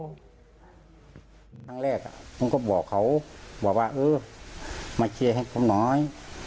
ครั้งแรกผมก็บอกเขาบอกว่าเออมาเคลียร์ให้ผมหน่อย